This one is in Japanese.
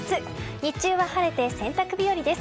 日中は晴れて洗濯日和です。